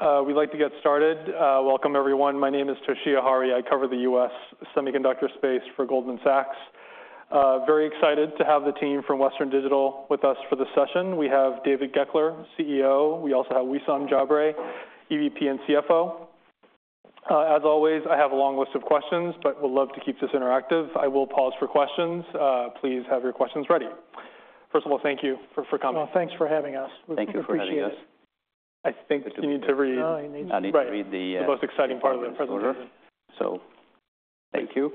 All right. We'd like to get started. Welcome, everyone. My name is Toshiya Hari. I cover the U.S. semiconductor space for Goldman Sachs. Very excited to have the team from Western Digital with us for this session. We have David Goeckeler, CEO. We also have Wissam Jabre, EVP and CFO. As always, I have a long list of questions, but would love to keep this interactive. I will pause for questions. Please have your questions ready. First of all, thank you for coming. Well, thanks for having us. Thank you for having us. We appreciate it. I think you need to read- Oh, I need to- I need to read the, The most exciting part of the presentation. So thank you.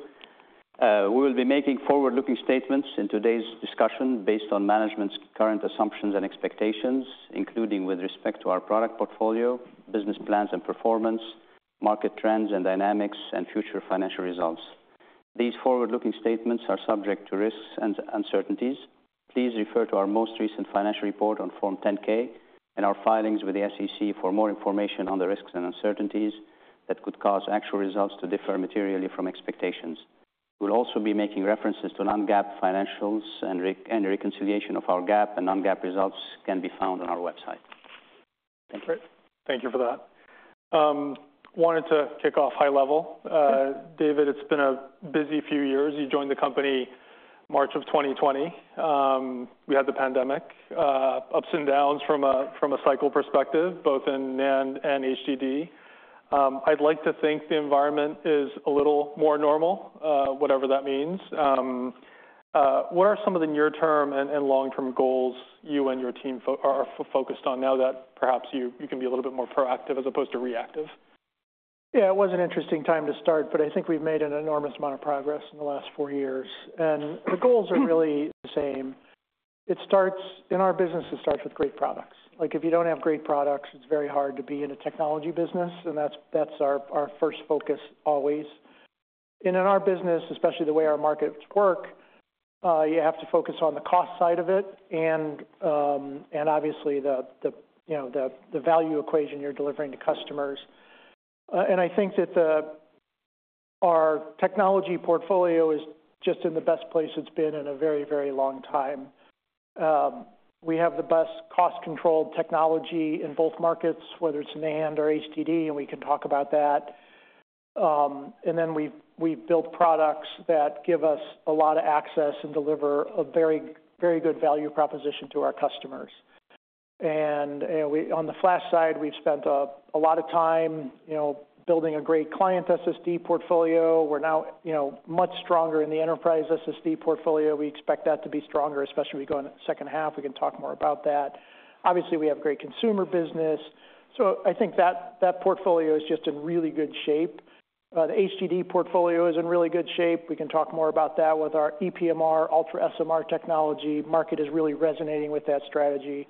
We will be making forward-looking statements in today's discussion based on management's current assumptions and expectations, including with respect to our product portfolio, business plans and performance, market trends and dynamics, and future financial results. These forward-looking statements are subject to risks and uncertainties. Please refer to our most recent financial report on Form 10-K and our filings with the SEC for more information on the risks and uncertainties that could cause actual results to differ materially from expectations. We'll also be making references to non-GAAP financials, and reconciliation of our GAAP and non-GAAP results can be found on our website. Great. Thank you for that. Wanted to kick off high level. David, it's been a busy few years. You joined the company March 2020. We had the pandemic, ups and downs from a cycle perspective, both in NAND and HDD. I'd like to think the environment is a little more normal, whatever that means. What are some of the near-term and long-term goals you and your team are focused on now that perhaps you can be a little bit more proactive as opposed to reactive? Yeah, it was an interesting time to start, but I think we've made an enormous amount of progress in the last four years. The goals are really the same. It starts. In our business, it starts with great products. Like, if you don't have great products, it's very hard to be in a technology business, and that's our first focus always. In our business, especially the way our markets work, you have to focus on the cost side of it and obviously the value equation you're delivering to customers. I think our technology portfolio is just in the best place it's been in a very, very long time. We have the best cost-controlled technology in both markets, whether it's NAND or HDD, and we can talk about that. And then we've built products that give us a lot of access and deliver a very, very good value proposition to our customers. And we. On the flash side, we've spent a lot of time, you know, building a great client SSD portfolio. We're now, you know, much stronger in the enterprise SSD portfolio. We expect that to be stronger, especially as we go in the second half. We can talk more about that. Obviously, we have great consumer business, so I think that portfolio is just in really good shape. The HDD portfolio is in really good shape. We can talk more about that with our ePMR, Ultra SMR technology. Market is really resonating with that strategy.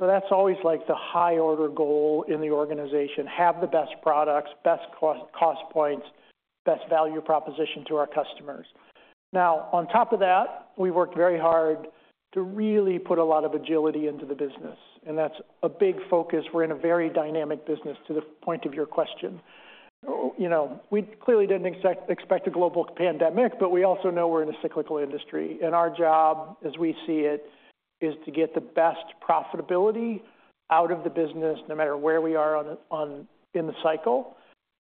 So that's always, like, the high-order goal in the organization: have the best products, best cost points, best value proposition to our customers. Now, on top of that, we worked very hard to really put a lot of agility into the business, and that's a big focus. We're in a very dynamic business, to the point of your question. You know, we clearly didn't expect a global pandemic, but we also know we're in a cyclical industry, and our job, as we see it, is to get the best profitability out of the business, no matter where we are in the cycle,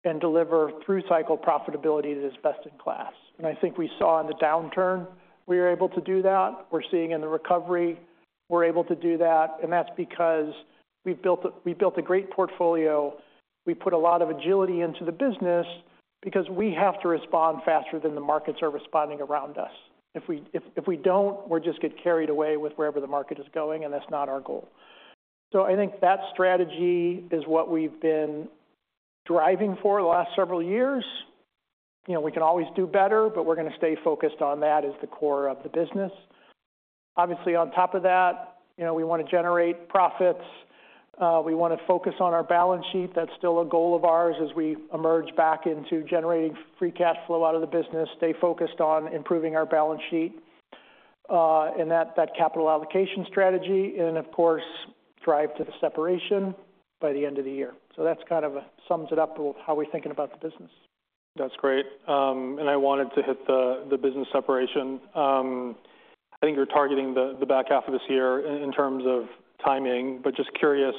and deliver through-cycle profitability that is best-in-class. And I think we saw in the downturn, we were able to do that. We're seeing in the recovery, we're able to do that, and that's because we've built a great portfolio. We put a lot of agility into the business because we have to respond faster than the markets are responding around us. If we don't, we'll just get carried away with wherever the market is going, and that's not our goal. So I think that strategy is what we've been driving for the last several years. You know, we can always do better, but we're going to stay focused on that as the core of the business. Obviously, on top of that, you know, we want to generate profits. We want to focus on our balance sheet. That's still a goal of ours as we emerge back into generating free cash flow out of the business, stay focused on improving our balance sheet, and that capital allocation strategy, and of course, drive to the separation by the end of the year. So that's kind of sums it up of how we're thinking about the business. That's great. And I wanted to hit the business separation. I think you're targeting the back half of this year in terms of timing, but just curious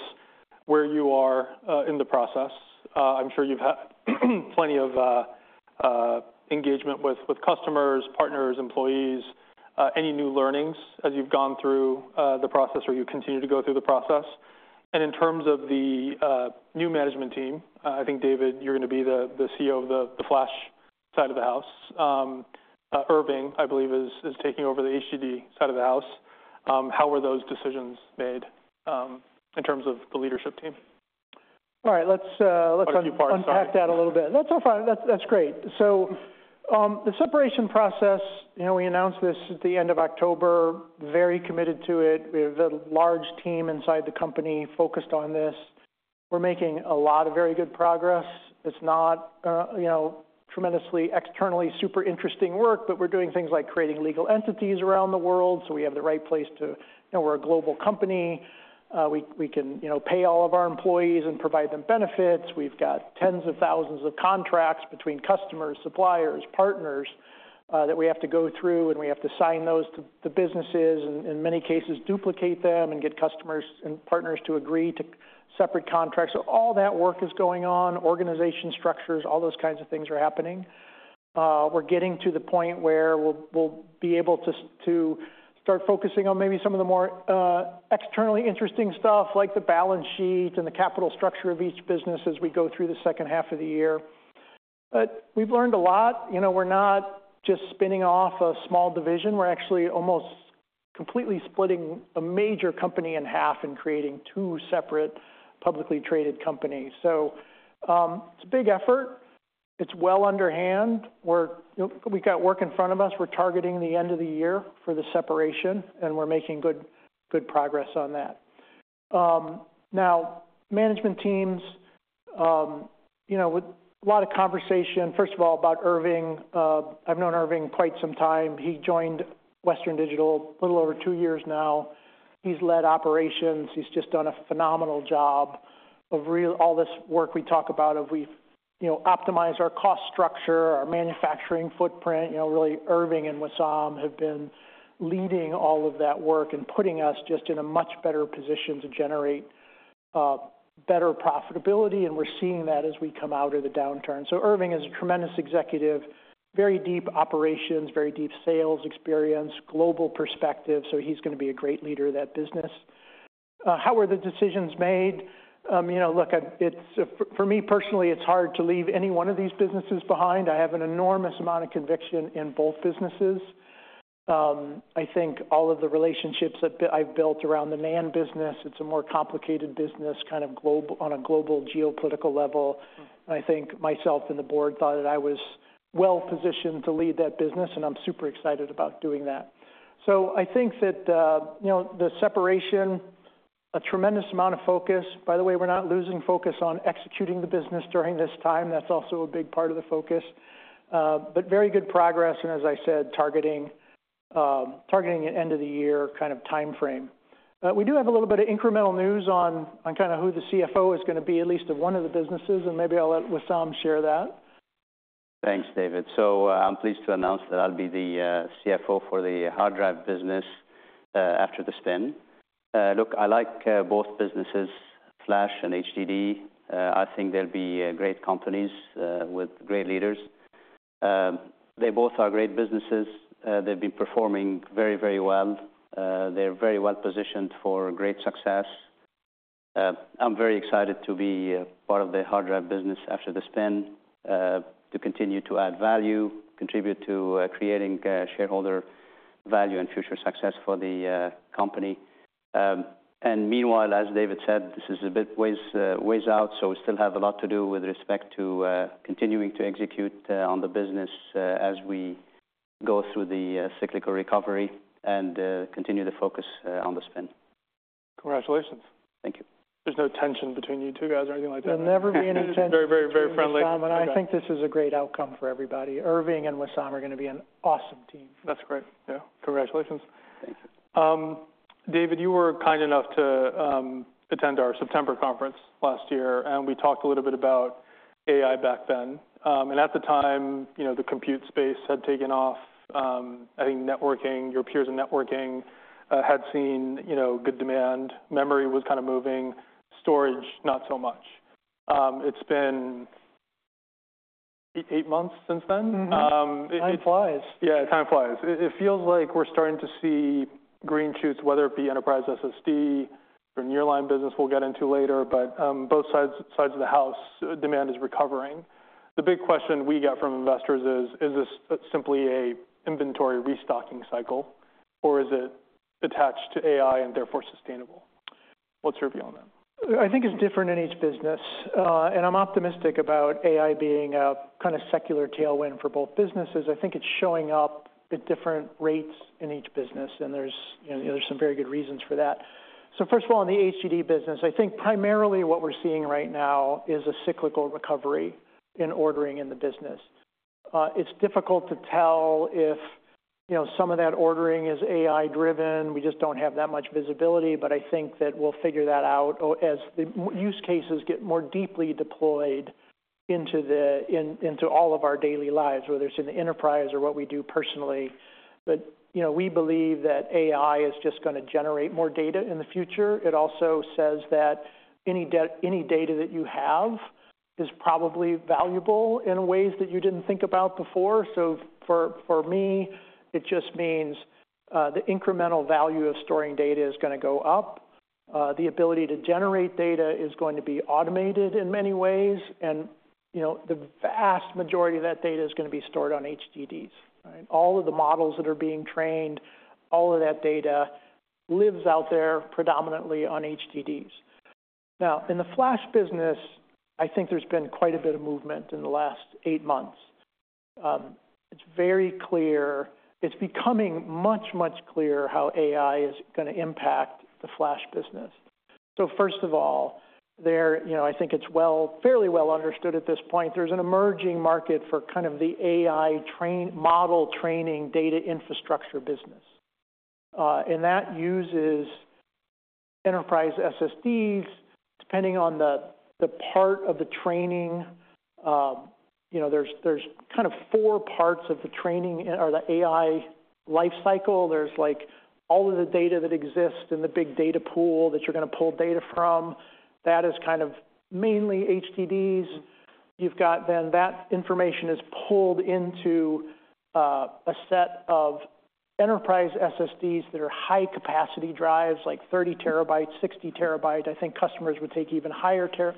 where you are in the process. I'm sure you've had plenty of engagement with customers, partners, employees. Any new learnings as you've gone through the process or you continue to go through the process? And in terms of the new management team, I think, David, you're going to be the CEO of the flash side of the house. Irving, I believe, is taking over the HDD side of the house. How were those decisions made in terms of the leadership team? All right. Let's- A few parts, sorry. Unpack that a little bit. That's so fine. That's, that's great. So, the separation process, you know, we announced this at the end of October, very committed to it. We have a large team inside the company focused on this. We're making a lot of very good progress. It's not, you know, tremendously, externally super interesting work, but we're doing things like creating legal entities around the world, so we have the right place to... You know, we're a global company. We can, you know, pay all of our employees and provide them benefits. We've got tens of thousands of contracts between customers, suppliers, partners... that we have to go through, and we have to sign those to the businesses, and in many cases, duplicate them and get customers and partners to agree to separate contracts. So all that work is going on, organization structures, all those kinds of things are happening. We're getting to the point where we'll, we'll be able to to start focusing on maybe some of the more, externally interesting stuff, like the balance sheet and the capital structure of each business as we go through the second half of the year. But we've learned a lot. You know, we're not just spinning off a small division. We're actually almost completely splitting a major company in half and creating two separate publicly traded companies. So, it's a big effort. It's well underway, where, you know, we got work in front of us. We're targeting the end of the year for the separation, and we're making good, good progress on that. Now, management teams, you know, with a lot of conversation, first of all, about Irving. I've known Irving quite some time. He joined Western Digital a little over two years now. He's led operations. He's just done a phenomenal job of really all this work we talk about, of we've, you know, optimized our cost structure, our manufacturing footprint. You know, really, Irving and Wissam have been leading all of that work and putting us just in a much better position to generate better profitability, and we're seeing that as we come out of the downturn. So Irving is a tremendous executive, very deep operations, very deep sales experience, global perspective, so he's gonna be a great leader of that business. How were the decisions made? You know, look, it's... For me, personally, it's hard to leave any one of these businesses behind. I have an enormous amount of conviction in both businesses. I think all of the relationships that I've built around the NAND business, it's a more complicated business, kind of on a global geopolitical level. I think myself and the board thought that I was well-positioned to lead that business, and I'm super excited about doing that. So I think that, you know, the separation, a tremendous amount of focus. By the way, we're not losing focus on executing the business during this time. That's also a big part of the focus, but very good progress, and as I said, targeting at end of the year kind of time frame. We do have a little bit of incremental news on kind of who the CFO is gonna be, at least to one of the businesses, and maybe I'll let Wissam share that. Thanks, David. So, I'm pleased to announce that I'll be the CFO for the hard drive business after the spin. Look, I like both businesses, Flash and HDD. I think they'll be great companies with great leaders. They both are great businesses. They've been performing very, very well. They're very well-positioned for great success. I'm very excited to be part of the hard drive business after the spin, to continue to add value, contribute to creating shareholder value and future success for the company. And meanwhile, as David said, this is a bit ways out, so we still have a lot to do with respect to continuing to execute on the business, as we go through the cyclical recovery and continue to focus on the spin. Congratulations. Thank you. There's no tension between you two guys or anything like that? There'll never be any tension- Very, very, very friendly. I think this is a great outcome for everybody. Irving and Wissam are gonna be an awesome team. That's great. Yeah. Congratulations. Thank you. David, you were kind enough to attend our September conference last year, and we talked a little bit about AI back then. At the time, you know, the compute space had taken off. I think networking, your peers in networking, had seen, you know, good demand. Memory was kind of moving. Storage, not so much. It's been eight months since then? Mm-hmm. Um, it- Time flies. Yeah, time flies. It feels like we're starting to see green shoots, whether it be Enterprise SSD or nearline business, we'll get into later, but both sides of the house, demand is recovering. The big question we get from investors is: Is this simply a inventory restocking cycle, or is it attached to AI and therefore sustainable? What's your view on that? I think it's different in each business, and I'm optimistic about AI being a kind of secular tailwind for both businesses. I think it's showing up at different rates in each business, and there's, you know, there's some very good reasons for that. So first of all, in the HDD business, I think primarily what we're seeing right now is a cyclical recovery in ordering in the business. It's difficult to tell if, you know, some of that ordering is AI-driven. We just don't have that much visibility, but I think that we'll figure that out as the use cases get more deeply deployed into all of our daily lives, whether it's in the enterprise or what we do personally. But, you know, we believe that AI is just gonna generate more data in the future. It also says that any data that you have is probably valuable in ways that you didn't think about before. So for me, it just means the incremental value of storing data is gonna go up, the ability to generate data is going to be automated in many ways, and, you know, the vast majority of that data is gonna be stored on HDDs. Right? All of the models that are being trained, all of that data lives out there predominantly on HDDs. Now, in the Flash business, I think there's been quite a bit of movement in the last eight months. It's very clear. It's becoming much, much clearer how AI is gonna impact the Flash business. So first of all, there, you know, I think it's fairly well understood at this point, there's an emerging market for kind of the AI model training, data infrastructure business, and that uses enterprise SSDs, depending on the part of the training. You know, there's kind of four parts of the training or the AI life cycle. There's, like, all of the data that exists in the big data pool that you're gonna pull data from. That is kind of mainly HDDs. You've got then that information is pulled into a set of enterprise SSDs that are high-capacity drives, like 30 TB, 60 TB. I think customers would take even higher terabyte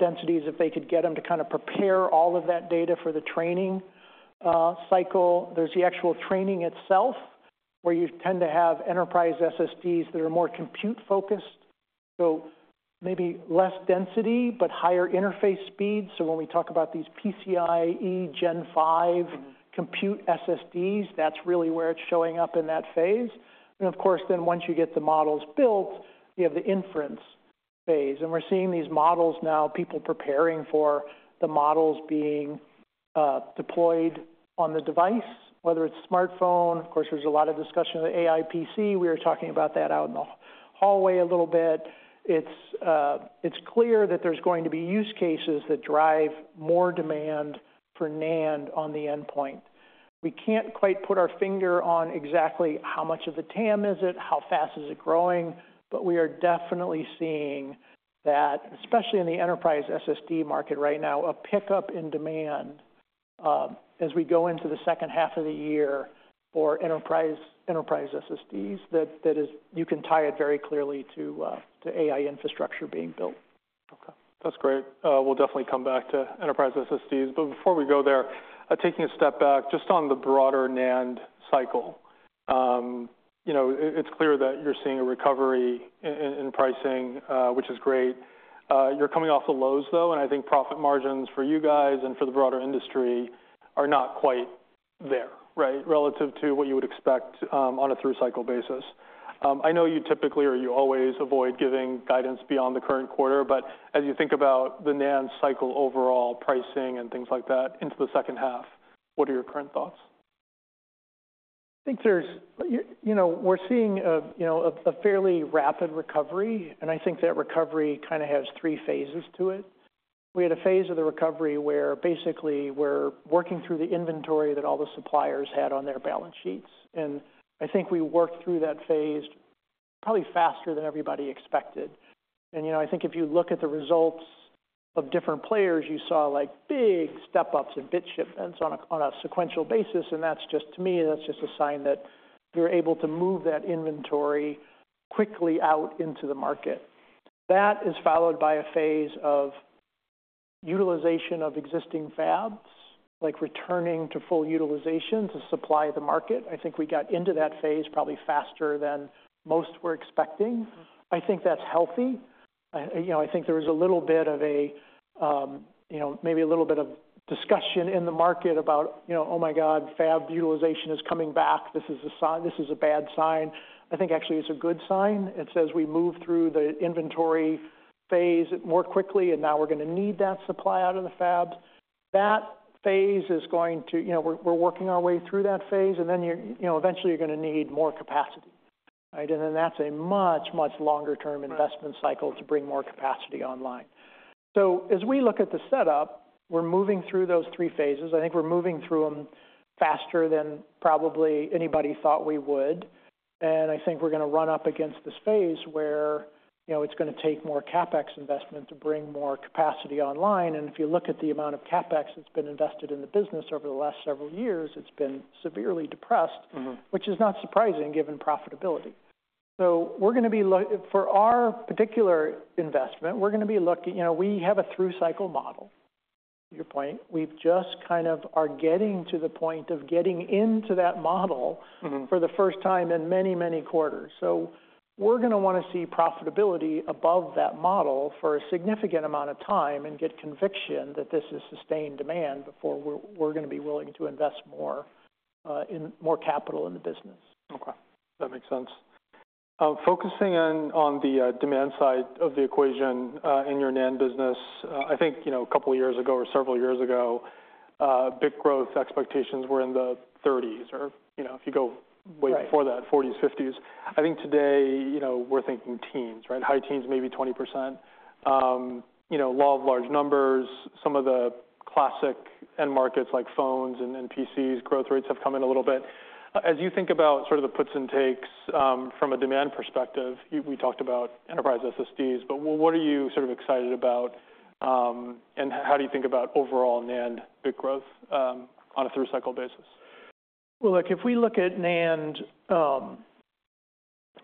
densities if they could get them to kind of prepare all of that data for the training cycle. There's the actual training itself, where you tend to have enterprise SSDs that are more compute-focused, so maybe less density, but higher interface speed. So when we talk about these PCIe Gen 5 compute SSDs, that's really where it's showing up in that phase. And of course, then once you get the models built, you have the inference phase. And we're seeing these models now, people preparing for the models being deployed on the device, whether it's smartphone... Of course, there's a lot of discussion of the AI PC. We were talking about that out in the hallway a little bit. It's clear that there's going to be use cases that drive more demand for NAND on the endpoint. We can't quite put our finger on exactly how much of the TAM is it, how fast is it growing, but we are definitely seeing that, especially in the enterprise SSD market right now, a pickup in demand as we go into the second half of the year for enterprise SSDs, that is, you can tie it very clearly to AI infrastructure being built. Okay, that's great. We'll definitely come back to Enterprise SSDs. But before we go there, taking a step back, just on the broader NAND cycle, you know, it's clear that you're seeing a recovery in pricing, which is great. You're coming off the lows, though, and I think profit margins for you guys and for the broader industry are not quite there, right? Relative to what you would expect, on a through-cycle basis. I know you typically or you always avoid giving guidance beyond the current quarter, but as you think about the NAND cycle overall, pricing and things like that, into the second half, what are your current thoughts? I think there's... you know, we're seeing a, you know, fairly rapid recovery, and I think that recovery kind of has three phases to it. We had a phase of the recovery where basically we're working through the inventory that all the suppliers had on their balance sheets, and I think we worked through that phase probably faster than everybody expected. And, you know, I think if you look at the results of different players, you saw, like, big step-ups in bit shipments on a sequential basis, and that's just, to me, that's just a sign that we were able to move that inventory quickly out into the market. That is followed by a phase of utilization of existing fabs, like returning to full utilization to supply the market. I think we got into that phase probably faster than most were expecting. I think that's healthy. You know, I think there was a little bit of a, you know, maybe a little bit of discussion in the market about, you know, "Oh, my God, fab utilization is coming back. This is a sign. This is a bad sign." I think actually it's a good sign. It's as we move through the inventory phase more quickly, and now we're gonna need that supply out of the fabs. That phase is going to... You know, we're working our way through that phase, and then you're, you know, eventually you're gonna need more capacity, right? And then that's a much, much longer-term- Right... investment cycle to bring more capacity online. So as we look at the setup, we're moving through those three phases. I think we're moving through them faster than probably anybody thought we would, and I think we're gonna run up against this phase where, you know, it's gonna take more CapEx investment to bring more capacity online. And if you look at the amount of CapEx that's been invested in the business over the last several years, it's been severely depressed- Mm-hmm... which is not surprising, given profitability. So for our particular investment, we're gonna be looking. You know, we have a through-cycle model, to your point. We've just kind of are getting to the point of getting into that model- Mm-hmm... for the first time in many, many quarters. So we're gonna wanna see profitability above that model for a significant amount of time and get conviction that this is sustained demand before we're gonna be willing to invest more, in more capital in the business. Okay, that makes sense. Focusing in on the demand side of the equation, in your NAND business, I think, you know, a couple of years ago or several years ago, bit growth expectations were in the thirties, or, you know, if you go- Right... way before that, 40s, 50s. I think today, you know, we're thinking teens, right? High teens, maybe 20%. You know, law of large numbers, some of the classic end markets, like phones and PCs, growth rates have come in a little bit. As you think about sort of the puts and takes, from a demand perspective, we talked about enterprise SSDs, but what are you sort of excited about, and how do you think about overall NAND bit growth, on a through-cycle basis? Well, look, if we look at NAND,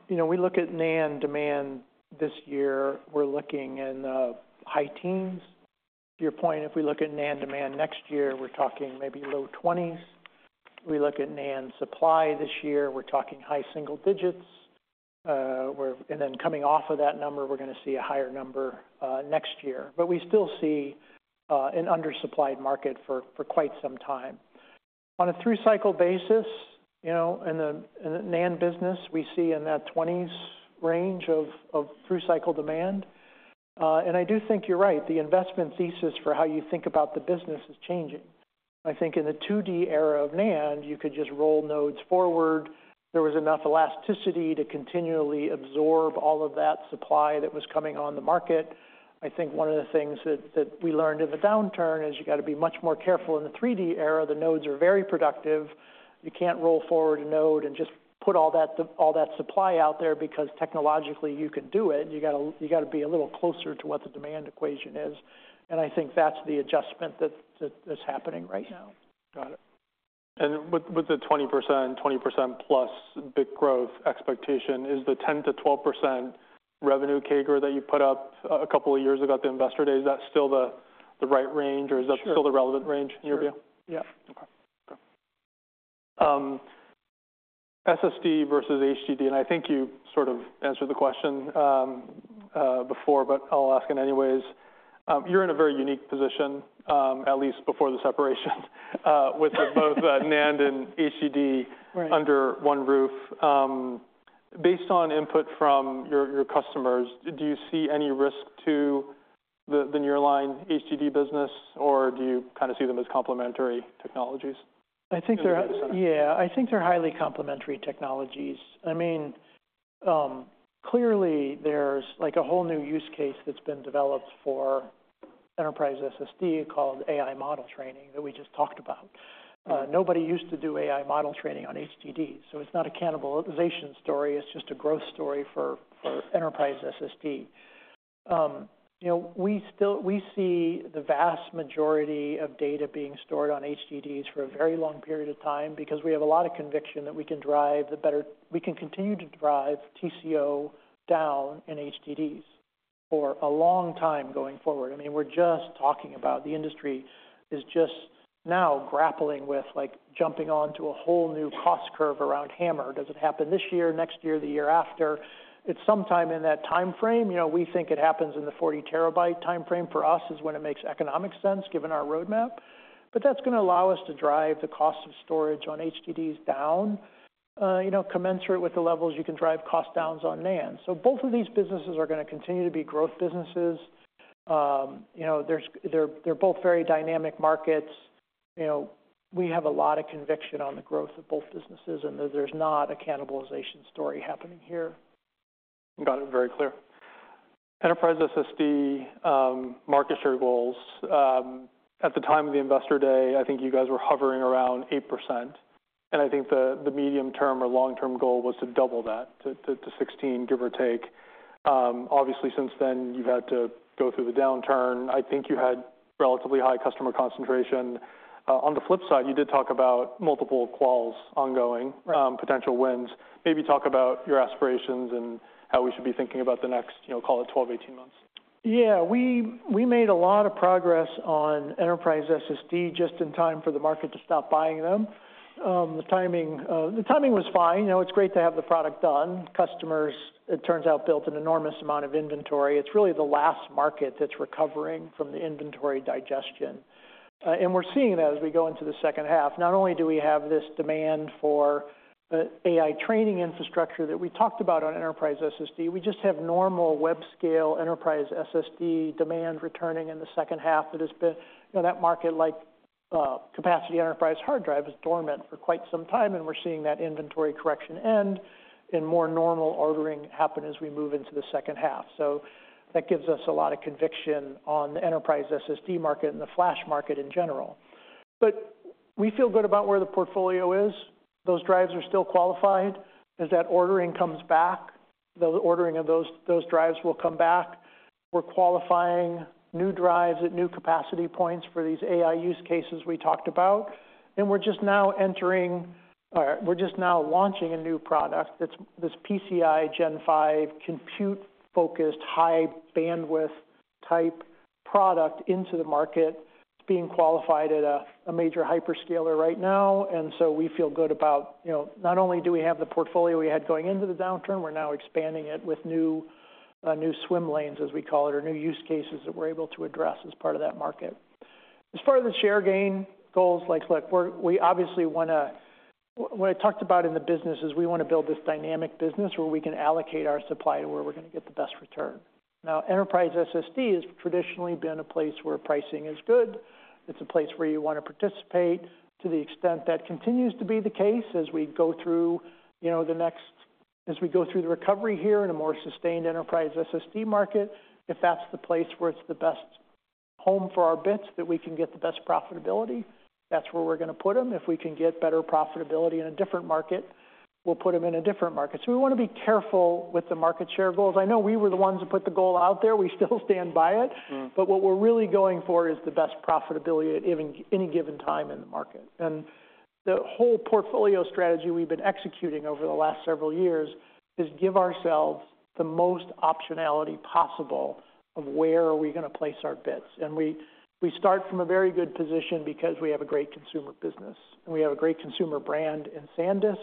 you know, we look at NAND demand this year, we're looking in the high teens. To your point, if we look at NAND demand next year, we're talking maybe low twenties. We look at NAND supply this year, we're talking high single digits. And then coming off of that number, we're gonna see a higher number next year. But we still see an undersupplied market for quite some time. On a through-cycle basis, you know, in the NAND business, we see in that twenties range of through-cycle demand. And I do think you're right, the investment thesis for how you think about the business is changing. I think in the 2D era of NAND, you could just roll nodes forward. There was enough elasticity to continually absorb all of that supply that was coming on the market. I think one of the things that, that we learned in the downturn is you got to be much more careful. In the 3D era, the nodes are very productive. You can't roll forward a node and just put all that, all that supply out there, because technologically, you can do it. You gotta, you gotta be a little closer to what the demand equation is, and I think that's the adjustment that, that is happening right now. Got it. And with the 20%+ bit growth expectation, is the 10%-12% revenue CAGR that you put up a couple of years ago at the Investor Day, is that still the right range? Sure. Or is that still the relevant range in your view? Yeah. Okay. SSD versus HDD, and I think you sort of answered the question before, but I'll ask it anyways. You're in a very unique position, at least before the separation, with both NAND and HDD- Right... under one roof. Based on input from your, your customers, do you see any risk to the, the nearline HDD business, or do you kind of see them as complementary technologies? I think they're- In the data center. Yeah, I think they're highly complementary technologies. I mean, clearly, there's, like, a whole new use case that's been developed for Enterprise SSD, called AI model training, that we just talked about. Mm-hmm. Nobody used to do AI model training on HDDs, so it's not a cannibalization story; it's just a growth story for enterprise SSD. You know, we still see the vast majority of data being stored on HDDs for a very long period of time because we have a lot of conviction that we can drive the better. We can continue to drive TCO down in HDDs for a long time going forward. I mean, we're just talking about the industry is just now grappling with, like, jumping onto a whole new cost curve around HAMR. Does it happen this year, next year, the year after? It's sometime in that timeframe. You know, we think it happens in the 40 TB timeframe for us, is when it makes economic sense, given our roadmap. But that's gonna allow us to drive the cost of storage on HDDs down, you know, commensurate with the levels you can drive cost downs on NAND. So both of these businesses are gonna continue to be growth businesses. You know, there's, they're both very dynamic markets. You know, we have a lot of conviction on the growth of both businesses, and there's not a cannibalization story happening here. Got it. Very clear. Enterprise SSD market share goals. At the time of the Investor Day, I think you guys were hovering around 8%, and I think the medium-term or long-term goal was to double that to 16, give or take. Obviously, since then, you've had to go through the downturn. I think you had relatively high customer concentration. On the flip side, you did talk about multiple quals ongoing- Right... potential wins. Maybe talk about your aspirations and how we should be thinking about the next, you know, call it 12, 18 months. Yeah, we made a lot of progress on Enterprise SSD just in time for the market to stop buying them. The timing was fine. You know, it's great to have the product done. Customers, it turns out, built an enormous amount of inventory. It's really the last market that's recovering from the inventory digestion. And we're seeing that as we go into the second half. Not only do we have this demand for the AI training infrastructure that we talked about on Enterprise SSD, we just have normal web scale enterprise SSD demand returning in the second half. That has been... You know, that market, like, capacity enterprise hard drive, is dormant for quite some time, and we're seeing that inventory correction end and more normal ordering happen as we move into the second half. So that gives us a lot of conviction on the enterprise SSD market and the flash market in general. But we feel good about where the portfolio is. Those drives are still qualified. As that ordering comes back, the ordering of those, those drives will come back. We're qualifying new drives at new capacity points for these AI use cases we talked about, and we're just now launching a new product that's this PCIe Gen 5, compute-focused, high-bandwidth-type product into the market. It's being qualified at a major hyperscaler right now, and so we feel good about... You know, not only do we have the portfolio we had going into the downturn, we're now expanding it with new, new swim lanes, as we call it, or new use cases that we're able to address as part of that market. As far as the share gain goals, like, look, we obviously wanna... What I talked about in the business is we want to build this dynamic business where we can allocate our supply to where we're gonna get the best return. Now, Enterprise SSD has traditionally been a place where pricing is good. It's a place where you want to participate. To the extent that continues to be the case, as we go through, you know, the recovery here in a more sustained Enterprise SSD market, if that's the place where it's the best home for our bits, that we can get the best profitability, that's where we're gonna put them. If we can get better profitability in a different market, we'll put them in a different market. So we want to be careful with the market share goals. I know we were the ones who put the goal out there. We still stand by it. Mm-hmm. But what we're really going for is the best profitability at any given time in the market. And the whole portfolio strategy we've been executing over the last several years is give ourselves the most optionality possible of where are we gonna place our bets. And we start from a very good position because we have a great consumer business, and we have a great consumer brand in SanDisk.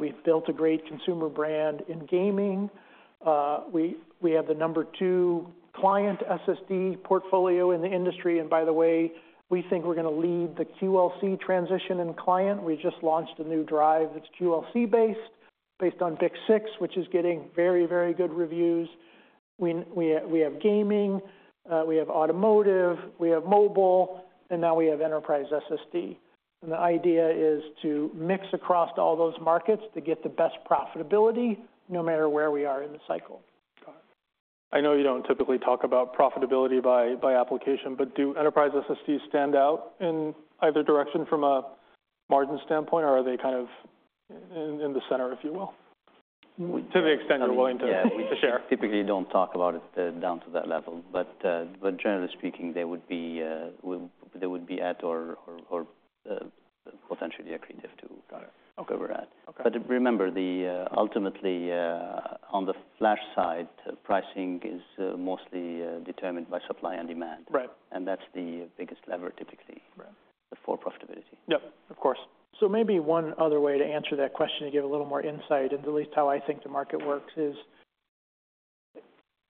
We've built a great consumer brand in gaming. We have the number 2 client SSD portfolio in the industry, and by the way, we think we're gonna lead the QLC transition in client. We just launched a new drive that's QLC-based, based on BiCS6, which is getting very, very good reviews. We have gaming, we have automotive, we have mobile, and now we have enterprise SSD. The idea is to mix across all those markets to get the best profitability, no matter where we are in the cycle. I know you don't typically talk about profitability by application, but do Enterprise SSDs stand out in either direction from a margin standpoint, or are they kind of in the center, if you will? To the extent you're willing to- Yeah. - to share. Typically, don't talk about it down to that level, but generally speaking, they would be, well, they would be at or potentially accretive to- Got it. Where we're at. Okay. But remember, ultimately, on the flash side, pricing is mostly determined by supply and demand. Right. That's the biggest lever, typically- Right -for profitability. Yep, of course. So maybe one other way to answer that question, to give a little more insight into at least how I think the market works, is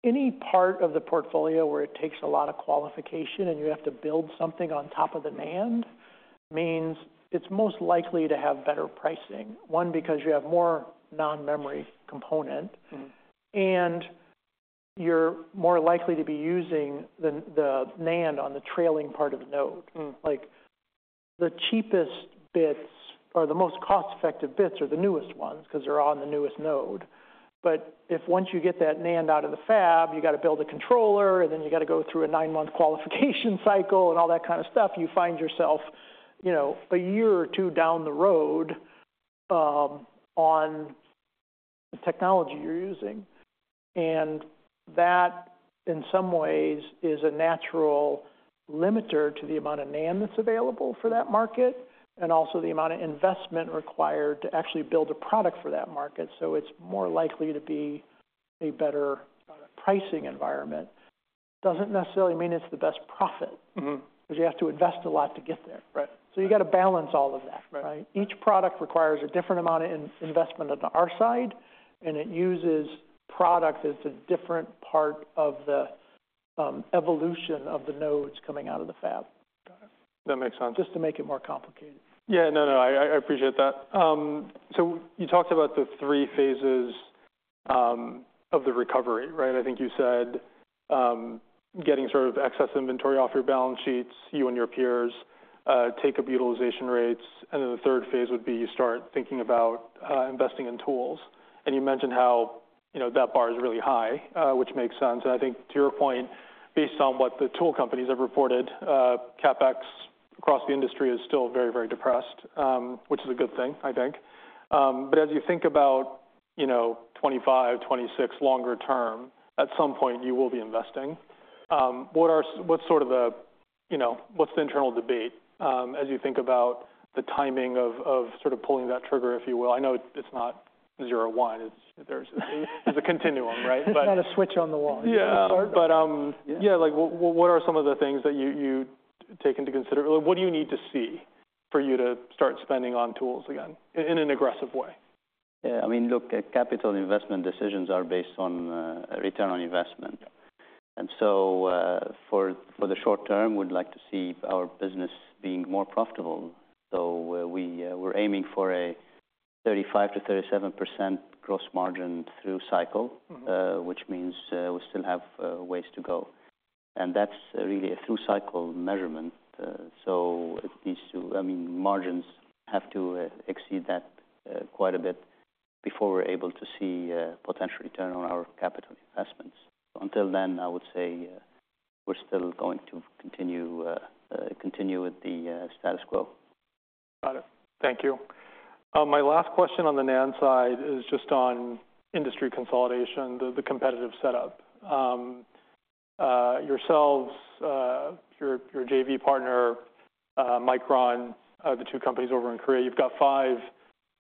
any part of the portfolio where it takes a lot of qualification, and you have to build something on top of the NAND, means it's most likely to have better pricing. One, because you have more non-memory component- Mm-hmm. and you're more likely to be using the NAND on the trailing part of the node. Mm. Like, the cheapest bits or the most cost-effective bits are the newest ones, 'cause they're on the newest node. But if once you get that NAND out of the fab, you gotta build a controller, and then you gotta go through a 9-month qualification cycle and all that kind of stuff, you find yourself, you know, a year or two down the road, on the technology you're using. And that, in some ways, is a natural limiter to the amount of NAND that's available for that market, and also the amount of investment required to actually build a product for that market. So it's more likely to be a better pricing environment. Doesn't necessarily mean it's the best profit. Mm-hmm. 'Cause you have to invest a lot to get there. Right. So, you gotta balance all of that. Right. Each product requires a different amount of investment on our side, and it uses product that's a different part of the evolution of the nodes coming out of the fab. Got it. That makes sense. Just to make it more complicated. Yeah. No, no, I appreciate that. So you talked about the three phases of the recovery, right? I think you said, getting sort of excess inventory off your balance sheets, you and your peers, take up utilization rates, and then the third phase would be you start thinking about, investing in tools. And you mentioned how, you know, that bar is really high, which makes sense. And I think to your point, based on what the tool companies have reported, CapEx across the industry is still very, very depressed, which is a good thing, I think. But as you think about, you know, 2025, 2026, longer term, at some point you will be investing. What's sort of the, you know, what's the internal debate, as you think about the timing of, of sort of pulling that trigger, if you will? I know it's not zero one. It's a continuum, right? But- It's not a switch on the wall. Yeah. To start. But, yeah, like, what are some of the things that you take into consideration? What do you need to see for you to start spending on tools again, in an aggressive way? Yeah, I mean, look, capital investment decisions are based on return on investment. Yeah. And so, for the short term, we'd like to see our business being more profitable. So we're aiming for a 35%-37% gross margin through cycle- Mm-hmm... which means, we still have a ways to go. That's really a through cycle measurement. So it needs to... I mean, margins have to exceed that quite a bit before we're able to see potential return on our capital investments. Until then, I would say, we're still going to continue with the status quo. Got it. Thank you. My last question on the NAND side is just on industry consolidation, the competitive setup. Yourselves, your JV partner, Micron, the two companies over in Korea, you've got five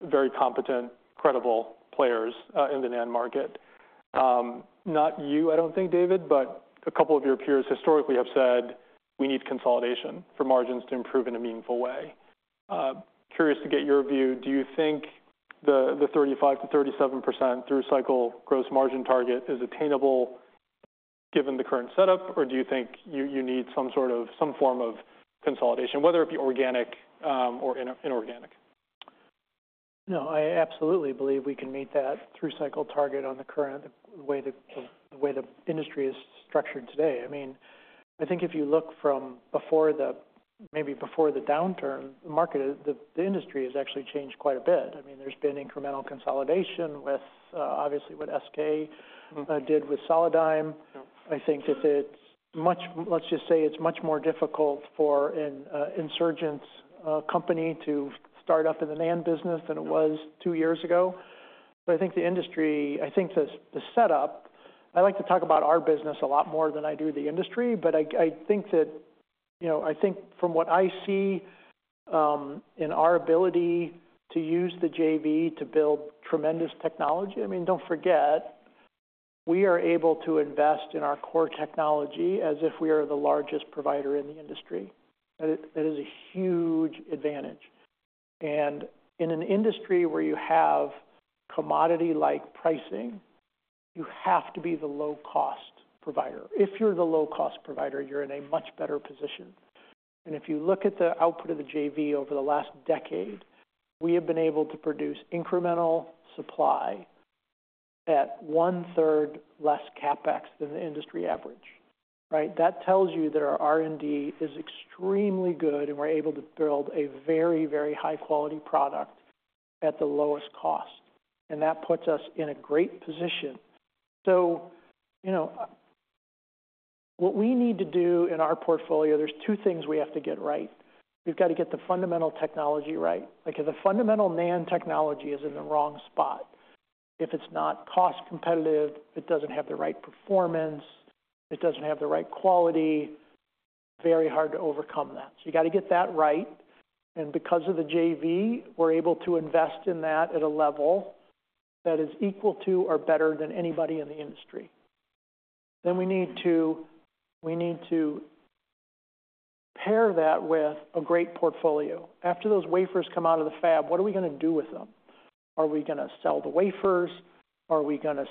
very competent, credible players in the NAND market. Not you, I don't think, David, but a couple of your peers historically have said, "We need consolidation for margins to improve in a meaningful way." Curious to get your view, do you think the 35%-37% through cycle gross margin target is attainable given the current setup, or do you think you need some sort of, some form of consolidation, whether it be organic or inorganic? No, I absolutely believe we can meet that through cycle target on the current way the way the industry is structured today. I mean, I think if you look from before the, maybe before the downturn, the market, the industry has actually changed quite a bit. I mean, there's been incremental consolidation with, obviously, what SK- Mm-hmm... did with Solidigm. Yep. I think that it's much—Let's just say it's much more difficult for an insurgent's company to start up in the NAND business than it was two years ago. But I think the industry, the setup, I like to talk about our business a lot more than I do the industry, but I think that, you know, I think from what I see, in our ability to use the JV to build tremendous technology. I mean, don't forget, we are able to invest in our core technology as if we are the largest provider in the industry. That is, that is a huge advantage. And in an industry where you have commodity-like pricing. You have to be the low-cost provider. If you're the low-cost provider, you're in a much better position. If you look at the output of the JV over the last decade, we have been able to produce incremental supply at one-third less CapEx than the industry average, right? That tells you that our R&D is extremely good, and we're able to build a very, very high-quality product at the lowest cost, and that puts us in a great position. So, you know, what we need to do in our portfolio, there's two things we have to get right. We've got to get the fundamental technology right, because the fundamental NAND technology is in the wrong spot. If it's not cost-competitive, it doesn't have the right performance, it doesn't have the right quality, very hard to overcome that. So you got to get that right, and because of the JV, we're able to invest in that at a level that is equal to or better than anybody in the industry. Then we need to pair that with a great portfolio. After those wafers come out of the fab, what are we going to do with them? Are we going to sell the wafers? Are we going to,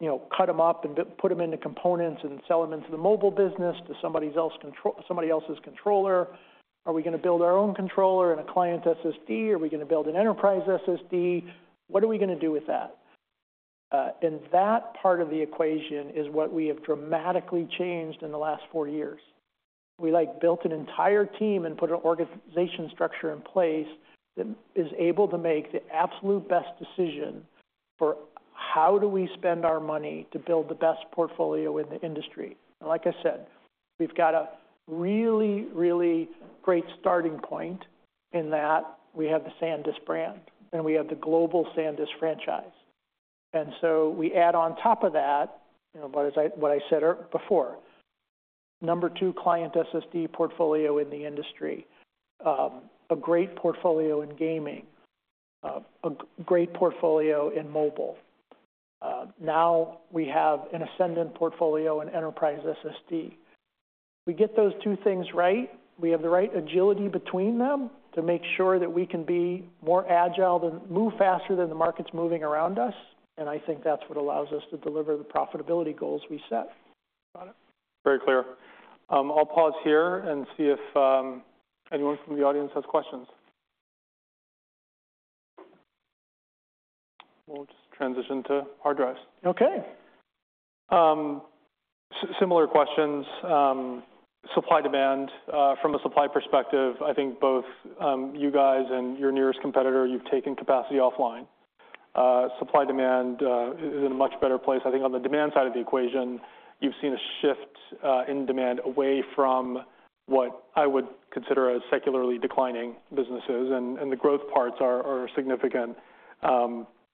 you know, cut them up and put them into components and sell them into the mobile business to somebody else's controller? Are we going to build our own controller and a client SSD? Are we going to build an enterprise SSD? What are we going to do with that? And that part of the equation is what we have dramatically changed in the last four years. We, like, built an entire team and put an organization structure in place that is able to make the absolute best decision for how do we spend our money to build the best portfolio in the industry. And like I said, we've got a really, really great starting point in that we have the SanDisk brand, and we have the global SanDisk franchise. And so we add on top of that, you know, what I said earlier before, number two client SSD portfolio in the industry, a great portfolio in gaming, a great portfolio in mobile. Now we have an ascendant portfolio in enterprise SSD. We get those two things right, we have the right agility between them to make sure that we can be more agile, move faster than the market's moving around us, and I think that's what allows us to deliver the profitability goals we set. Got it. Very clear. I'll pause here and see if anyone from the audience has questions. We'll just transition to hard drives. Okay. Similar questions, supply, demand. From a supply perspective, I think both you guys and your nearest competitor, you've taken capacity offline. Supply, demand is in a much better place. I think on the demand side of the equation, you've seen a shift in demand away from what I would consider as secularly declining businesses, and the growth parts are a significant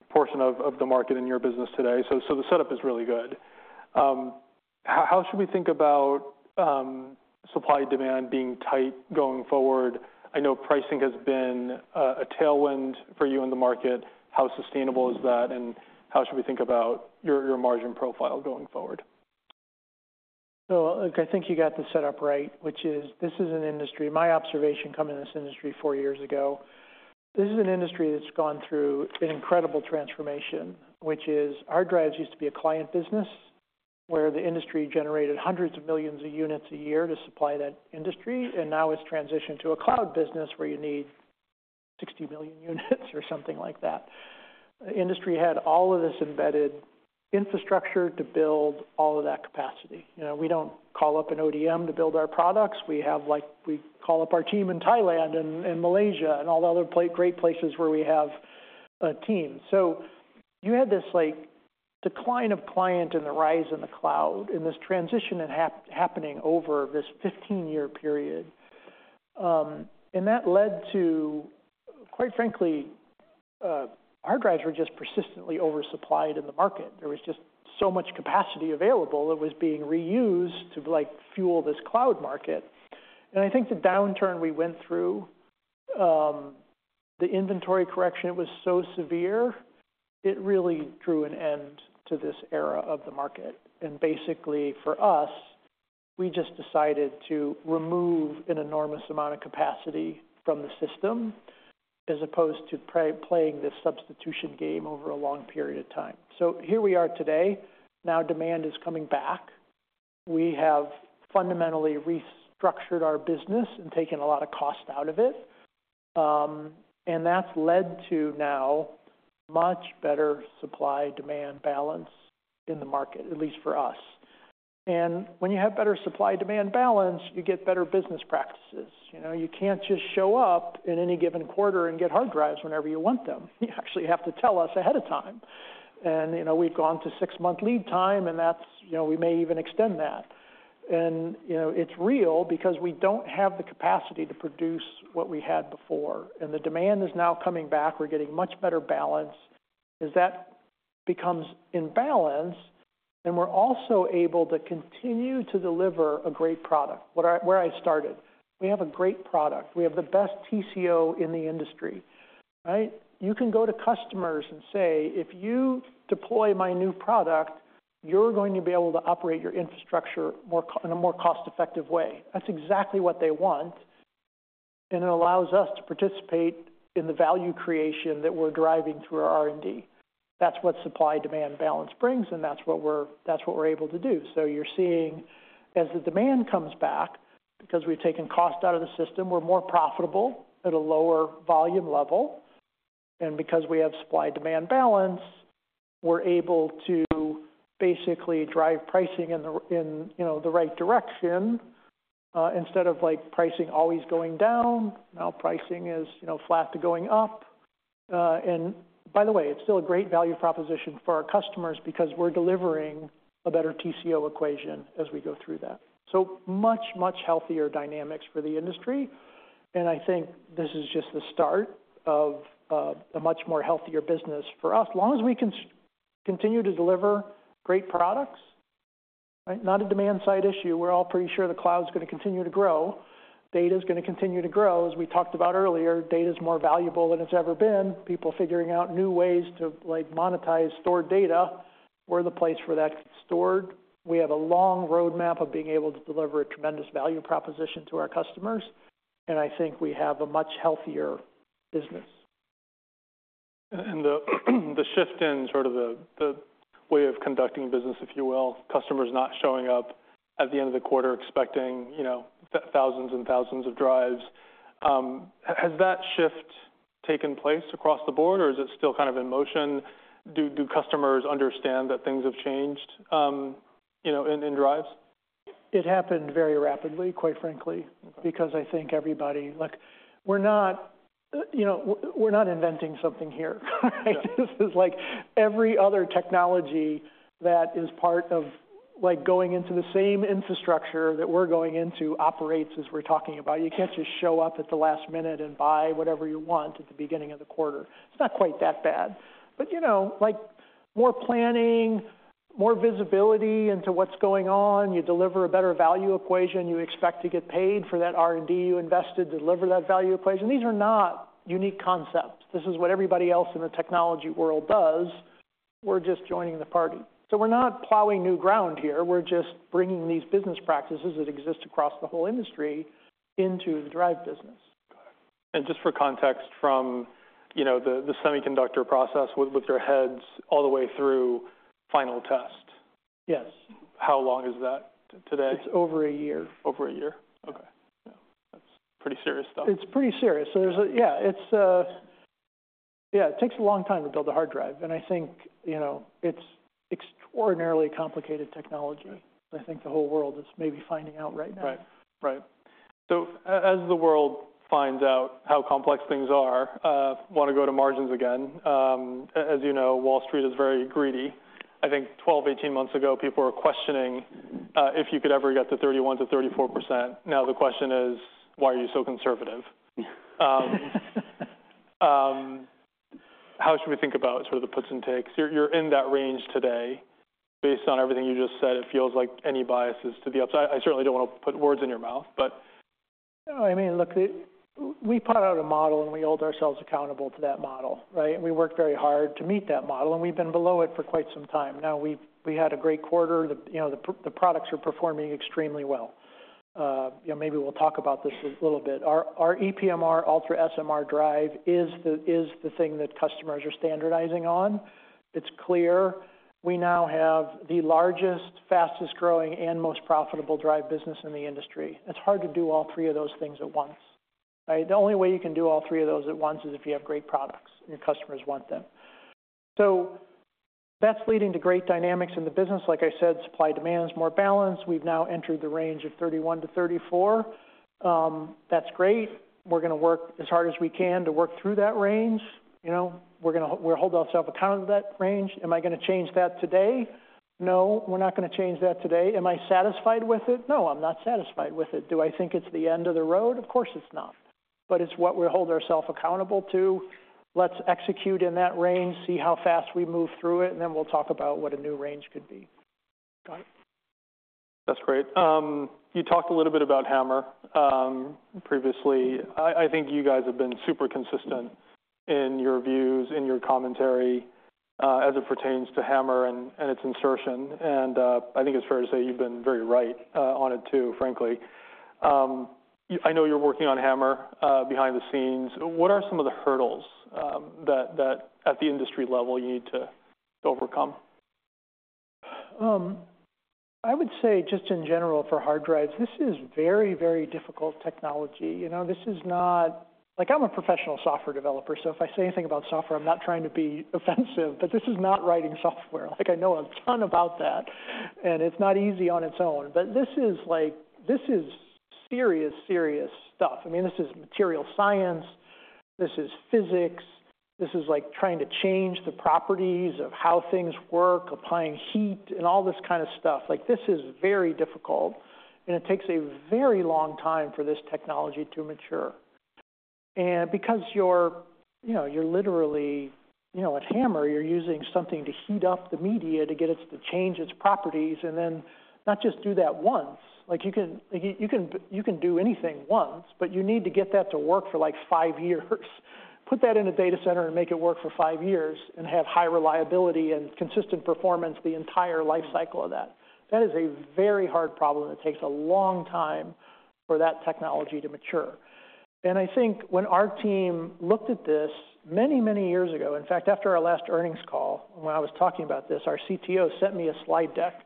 portion of the market in your business today. So the setup is really good. How should we think about supply-demand being tight going forward? I know pricing has been a tailwind for you in the market. How sustainable is that, and how should we think about your, your margin profile going forward? So, look, I think you got the setup right, which is this is an industry. My observation coming to this industry four years ago, this is an industry that's gone through an incredible transformation, which is hard drives used to be a client business, where the industry generated hundreds of millions of units a year to supply that industry, and now it's transitioned to a cloud business, where you need 60 million units or something like that. The industry had all of this embedded infrastructure to build all of that capacity. You know, we don't call up an ODM to build our products. We have like - we call up our team in Thailand and Malaysia and all the other great places where we have a team. So you had this, like, decline of client and the rise in the cloud, and this transition happening over this 15-year period. And that led to, quite frankly, hard drives were just persistently oversupplied in the market. There was just so much capacity available that was being reused to, like, fuel this cloud market. And I think the downturn we went through, the inventory correction was so severe, it really drew an end to this era of the market. And basically, for us, we just decided to remove an enormous amount of capacity from the system, as opposed to playing this substitution game over a long period of time. So here we are today, now demand is coming back. We have fundamentally restructured our business and taken a lot of cost out of it, and that's led to now much better supply-demand balance in the market, at least for us. And when you have better supply-demand balance, you get better business practices. You know, you can't just show up in any given quarter and get hard drives whenever you want them. You actually have to tell us ahead of time. And, you know, we've gone to six-month lead time, and that's, you know, we may even extend that. And, you know, it's real because we don't have the capacity to produce what we had before, and the demand is now coming back. We're getting much better balance. As that becomes in balance, then we're also able to continue to deliver a great product. Where I started, we have a great product. We have the best TCO in the industry, right? You can go to customers and say: If you deploy my new product, you're going to be able to operate your infrastructure in a more cost-effective way. That's exactly what they want, and it allows us to participate in the value creation that we're driving through our R&D. That's what supply-demand balance brings, and that's what we're able to do. So you're seeing as the demand comes back, because we've taken cost out of the system, we're more profitable at a lower volume level, and because we have supply-demand balance, we're able to basically drive pricing in, you know, the right direction. Instead of, like, pricing always going down, now pricing is, you know, flat to going up. And by the way, it's still a great value proposition for our customers because we're delivering a better TCO equation as we go through that. So much, much healthier dynamics for the industry, and I think this is just the start of a much more healthier business for us. As long as we continue to deliver great products, right? Not a demand side issue. We're all pretty sure the cloud's going to continue to grow. Data is going to continue to grow. As we talked about earlier, data is more valuable than it's ever been. People figuring out new ways to, like, monetize stored data, we're the place where that's stored. We have a long roadmap of being able to deliver a tremendous value proposition to our customers, and I think we have a much healthier business. The shift in sort of the way of conducting business, if you will, customers not showing up at the end of the quarter, expecting, you know, thousands and thousands of drives. Has that shift taken place across the board, or is it still kind of in motion? Do customers understand that things have changed, you know, in drives? It happened very rapidly, quite frankly, because I think everybody... Look, we're not, you know, we're not inventing something here, right? Yeah. This is like every other technology that is part of, like, going into the same infrastructure that we're going into, operates as we're talking about. You can't just show up at the last minute and buy whatever you want at the beginning of the quarter. It's not quite that bad, but, you know, like, more planning, more visibility into what's going on. You deliver a better value equation. You expect to get paid for that R&D you invested to deliver that value equation. These are not unique concepts. This is what everybody else in the technology world does. We're just joining the party. So we're not plowing new ground here. We're just bringing these business practices that exist across the whole industry into the drive business. Got it. Just for context, from, you know, the semiconductor process with their heads all the way through final test- Yes. How long is that today? It's over a year. Over a year? Okay. Yeah, that's pretty serious stuff. It's pretty serious. Yeah. Yeah, it takes a long time to build a hard drive, and I think, you know, it's extraordinarily complicated technology. Right. I think the whole world is maybe finding out right now. Right. Right. So as the world finds out how complex things are, want to go to margins again. As you know, Wall Street is very greedy. I think 12, 18 months ago, people were questioning if you could ever get to 31%-34%. Now, the question is: Why are you so conservative? How should we think about sort of the puts and takes? You're, you're in that range today. Based on everything you just said, it feels like any bias is to the upside. I certainly don't want to put words in your mouth, but- No, I mean, look, we put out a model, and we hold ourselves accountable to that model, right? We work very hard to meet that model, and we've been below it for quite some time now. We've—we had a great quarter. The, you know, the products are performing extremely well. You know, maybe we'll talk about this a little bit. Our ePMR, UltraSMR drive is the thing that customers are standardizing on. It's clear. We now have the largest, fastest-growing, and most profitable drive business in the industry. It's hard to do all three of those things at once, right? The only way you can do all three of those at once is if you have great products, and your customers want them. So that's leading to great dynamics in the business. Like I said, supply-demand is more balanced. We've now entered the range of 31-34. That's great. We're going to work as hard as we can to work through that range. You know, we hold ourselves accountable to that range. Am I going to change that today? No, we're not going to change that today. Am I satisfied with it? No, I'm not satisfied with it. Do I think it's the end of the road? Of course, it's not, but it's what we hold ourselves accountable to. Let's execute in that range, see how fast we move through it, and then we'll talk about what a new range could be. Got it. That's great. You talked a little bit about HAMR previously. I think you guys have been super consistent in your views, in your commentary, as it pertains to HAMR and its insertion, and I think it's fair to say you've been very right on it, too, frankly. I know you're working on HAMR behind the scenes. What are some of the hurdles that at the industry level, you need to overcome? I would say, just in general, for hard drives, this is very, very difficult technology. You know, this is not... Like, I'm a professional software developer, so if I say anything about software, I'm not trying to be offensive, but this is not writing software. Like, I know a ton about that, and it's not easy on its own, but this is like - this is serious, serious stuff. I mean, this is material science, this is physics. This is like trying to change the properties of how things work, applying heat and all this kind of stuff. Like, this is very difficult, and it takes a very long time for this technology to mature. And because you're, you know, you're literally, you know, at HAMR, you're using something to heat up the media to get it to change its properties, and then not just do that once. Like, you can, you can, you can do anything once, but you need to get that to work for, like, five years.... Put that in a data center and make it work for five years, and have high reliability and consistent performance the entire life cycle of that. That is a very hard problem, and it takes a long time for that technology to mature. And I think when our team looked at this many, many years ago, in fact, after our last earnings call, when I was talking about this, our CTO sent me a slide deck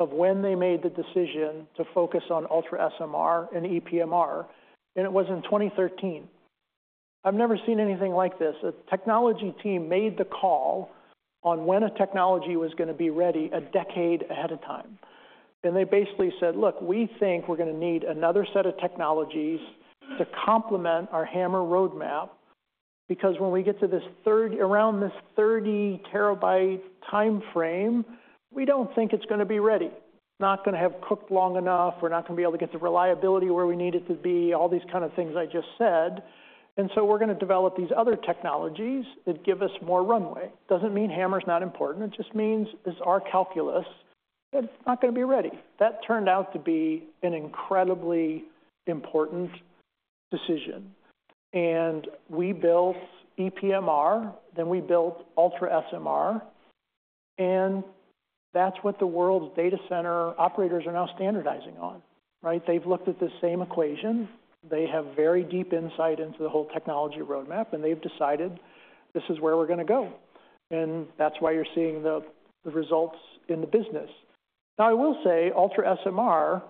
of when they made the decision to focus on UltraSMR and ePMR, and it was in 2013. I've never seen anything like this. A technology team made the call on when a technology was going to be ready a decade ahead of time. They basically said: "Look, we think we're going to need another set of technologies to complement our HAMR roadmap, because when we get around this 30-terabyte time frame, we don't think it's going to be ready. Not going to have cooked long enough. We're not going to be able to get the reliability where we need it to be, all these kind of things I just said. And so we're going to develop these other technologies that give us more runway. Doesn't mean HAMR is not important. It just means it's our calculus, and it's not going to be ready. That turned out to be an incredibly important decision, and we built ePMR, then we built UltraSMR, and that's what the world's data center operators are now standardizing on, right? They've looked at the same equation, they have very deep insight into the whole technology roadmap, and they've decided this is where we're going to go, and that's why you're seeing the results in the business. Now, I will say UltraSMR is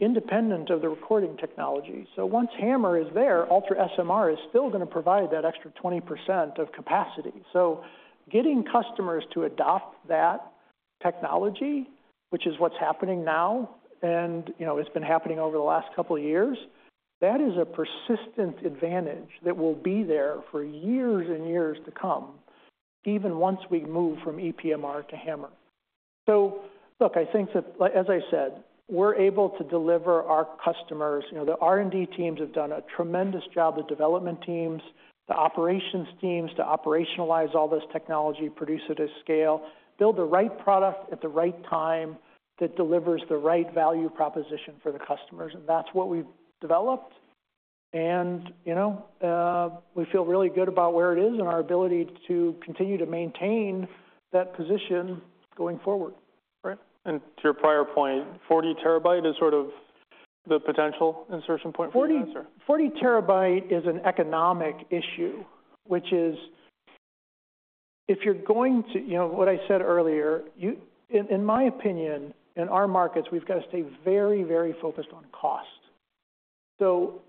independent of the recording technology, so once HAMR is there, UltraSMR is still going to provide that extra 20% of capacity. So getting customers to adopt that technology, which is what's happening now, and, you know, it's been happening over the last couple of years, that is a persistent advantage that will be there for years and years to come, even once we move from ePMR to HAMR. So look, I think that, as I said, we're able to deliver our customers... You know, the R&D teams have done a tremendous job, the development teams, the operations teams, to operationalize all this technology, produce it at scale, build the right product at the right time that delivers the right value proposition for the customers. That's what we've developed. You know, we feel really good about where it is and our ability to continue to maintain that position going forward. Right. And to your prior point, 40 TB is sort of the potential insertion point for you? 40, 40 TB is an economic issue, which is, if you're going to, you know, what I said earlier, you, in my opinion, in our markets, we've got to stay very, very focused on cost. So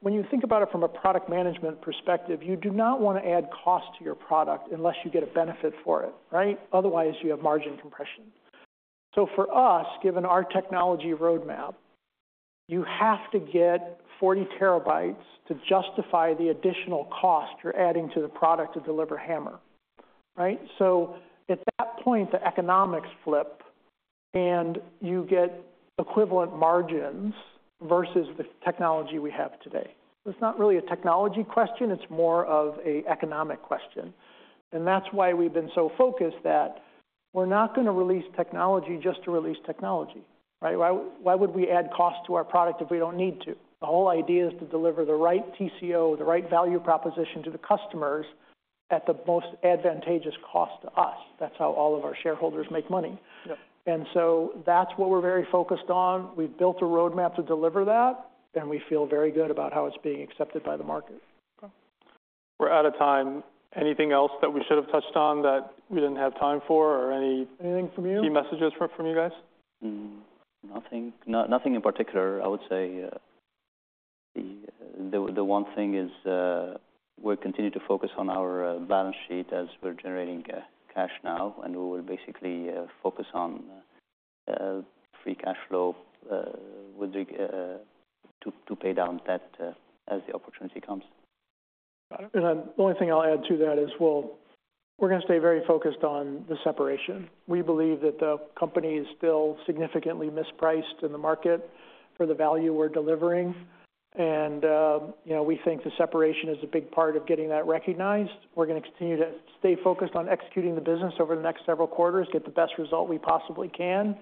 when you think about it from a product management perspective, you do not want to add cost to your product unless you get a benefit for it, right? Otherwise, you have margin compression. So for us, given our technology roadmap, you have to get 40 TB to justify the additional cost you're adding to the product to deliver HAMR, right? So at that point, the economics flip, and you get equivalent margins versus the technology we have today. It's not really a technology question, it's more of an economic question. And that's why we've been so focused that we're not going to release technology just to release technology, right? Why, why would we add cost to our product if we don't need to? The whole idea is to deliver the right TCO, the right value proposition to the customers at the most advantageous cost to us. That's how all of our shareholders make money. Yeah. And so that's what we're very focused on. We've built a roadmap to deliver that, and we feel very good about how it's being accepted by the market. Okay. We're out of time. Anything else that we should have touched on that we didn't have time for or any- Anything from you? Key messages from you guys? Nothing in particular. I would say, the one thing is, we'll continue to focus on our balance sheet as we're generating cash now, and we will basically focus on free cash flow to pay down debt as the opportunity comes. And then the only thing I'll add to that is, well, we're going to stay very focused on the separation. We believe that the company is still significantly mispriced in the market for the value we're delivering, and, you know, we think the separation is a big part of getting that recognized. We're going to continue to stay focused on executing the business over the next several quarters, get the best result we possibly can,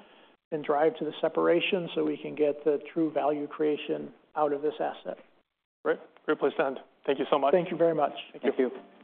and drive to the separation so we can get the true value creation out of this asset. Great. Well said. Thank you so much. Thank you very much. Thank you.